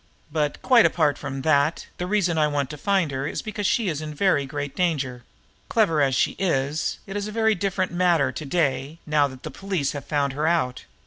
"But, quite apart from that, the reason I want to find her is because she is in very great danger. Clever as she is, it is a very different matter to day now that the police have found her out.